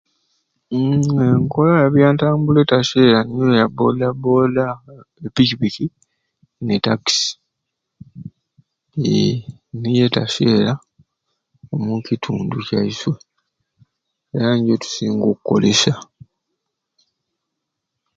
Uumm enkola eya byantambula etasyera ni ya booda booda e pikipiki ne takisi ee niyo etasyera omukitundu kyaiswe era nijjo tusinga okkolesya.